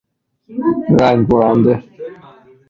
رنگ برنده